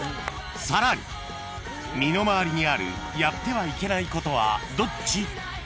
［さらに身の回りにあるやってはいけないことはどっち？］